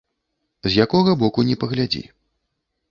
З якога боку ні паглядзі.